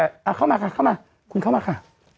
ชมนุ่มขึ้นมาค่ะ